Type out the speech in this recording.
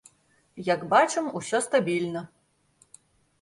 Як бачым, усё стабільна.